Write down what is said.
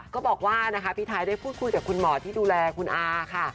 ก็บอกว่านะคะพี่ไทยได้พูดคุยกับคุณหมอที่ดูแลคุณอาค่ะ